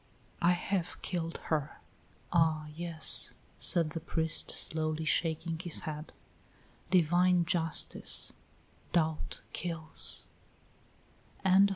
I have killed her!" "Ah, yes," said the priest, slowly shaking his head. "Divine Justice Doubt kills."